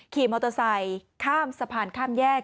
ขี่มอเตอร์ไซค์ข้ามสะพานข้ามแยก